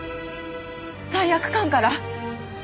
罪悪感から？